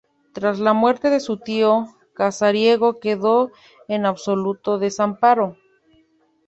Tras la muerte de su tío, Casariego quedó en absoluto desamparo.